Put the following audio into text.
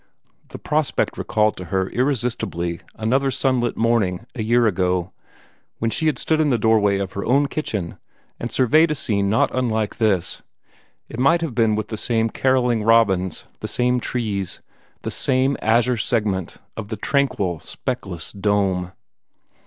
The prospect recalled to her irresistibly another sunlit morning, a year ago, when she had stood in the doorway of her own kitchen, and surveyed a scene not unlike this; it might have been with the same carolling robins, the same trees, the same azure segment of the tranquil, speckless dome.